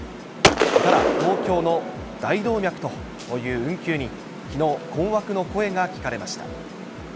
ただ、東京の大動脈という運休に、きのう、困惑の声が聞かれました。